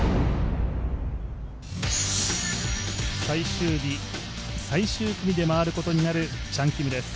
最終日最終組で回ることになるチャン・キムです。